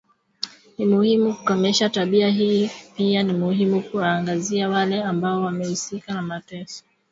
Ni muhimu kukomesha tabia hiyo pia ni muhimu kuwaangazia wale ambao wamehusika na mateso